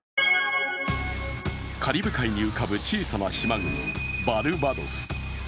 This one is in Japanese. カリブ海に浮かぶ小さな島国バルバドス。